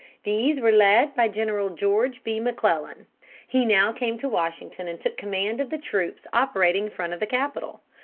These were led by General George B. McClellan. He now came to Washington and took command of the troops operating in front of the capital.